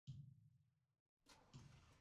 الله یې په ګور کې نور کړي.